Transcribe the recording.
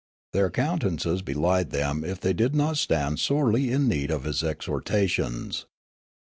Their countenances belied them if they did not stand sorely in need of his exhortations.